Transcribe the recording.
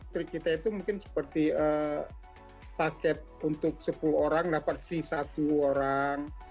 trik kita itu mungkin seperti paket untuk sepuluh orang dapat fee satu orang